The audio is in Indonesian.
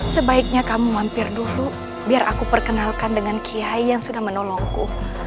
sebaiknya kamu mampir dulu biar aku perkenalkan dengan kiai yang sudah menolongku